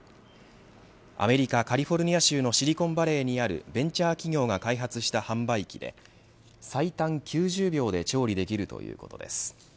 アメリカ、カリフォルニア州のシリコンバレーにあるベンチャー企業が開発した販売機で最短９０秒で調理できるということです。